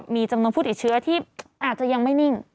มีจำนวนผู้ติดเชื้อที่อาจจะยังไม่นิ่ง